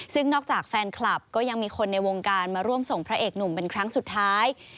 ซึ่งนอกจากแฟนคลับก็ยังมีคนในวงการมาร่วมส่งพระเอกหนุ่มเป็นครั้งสุดท้าย